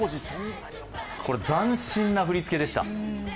これ、斬新な振り付けでした。